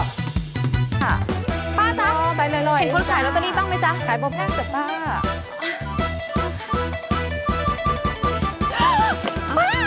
ป้าจ๊ะไปเลยเลย